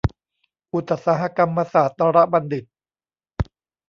อุตสาหกรรมศาสตรบัณฑิต